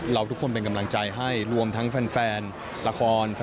เราทุกคนเป็นกำลังใจให้รวมทั้งแฟนละคร